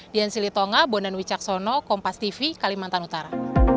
dian silitonga bonan wicaksono kompastv kalimantan utara